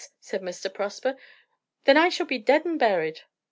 said Mr. Prosper. "Then I shall be dead and buried."